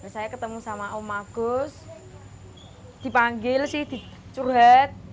saya ketemu sama om agus dipanggil sih dicurhat